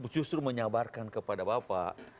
justru menyabarkan kepada bapak